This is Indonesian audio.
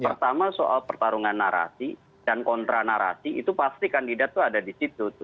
pertama soal pertarungan narasi dan kontra narasi itu pasti kandidat itu ada di situ